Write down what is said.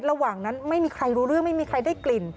ระหว่างนั้นไม่มีใครรู้เรื่องไม่มีใครได้กลิ่น